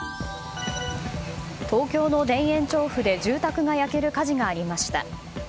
東京の田園調布で住宅が焼ける火事がありました。